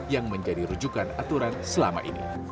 yang menjadi rujukan aturan selama ini